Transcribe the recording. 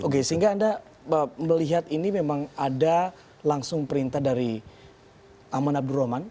oke sehingga anda melihat ini memang ada langsung perintah dari aman abdurrahman